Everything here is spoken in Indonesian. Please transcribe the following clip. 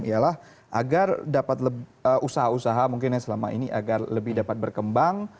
ialah agar dapat usaha usaha mungkin selama ini agar lebih dapat berkembang